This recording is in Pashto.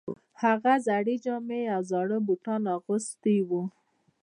هغه زړې جامې او زاړه بوټان اغوستي وو